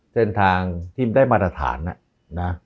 เส้นทางที่ได้มาตรฐานนะ